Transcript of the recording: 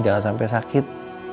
jangan sampai sakit